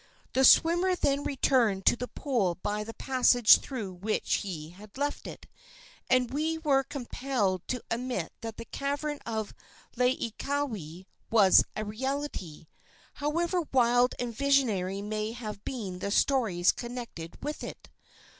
The swimmer then returned to the pool by the passage through which he had left it, and we were compelled to admit that the cavern of Laieikawai was a reality, however wild and visionary may have been the stories connected with it.